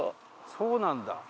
そうなんだ。